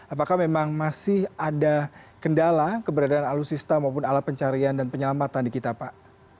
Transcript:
apakah memang masih ada kendala keberadaan alutsista maupun alat pencarian dan penyelamatan di kita pak